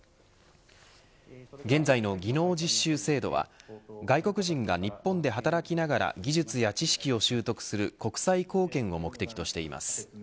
現在の技能実習制度は外国人が日本で働きながら技術や知識を習得する国際貢献を目的としています。